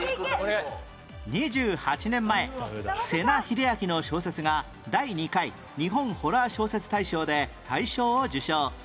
２８年前瀬名秀明の小説が第２回日本ホラー小説大賞で大賞を受賞